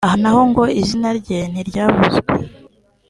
aha naho ngo izina rye ntiryavuzwe